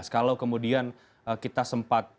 kalau kemudian kita sempat